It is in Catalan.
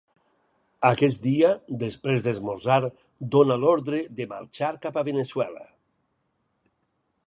Aquest dia, després d'esmorzar, dóna l'ordre de marxar cap a Veneçuela.